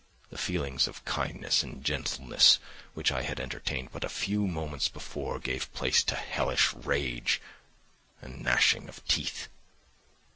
The feelings of kindness and gentleness which I had entertained but a few moments before gave place to hellish rage and gnashing of teeth.